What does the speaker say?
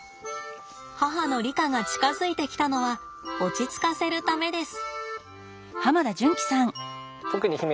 母のリカが近づいてきたのは落ち着かせるためです。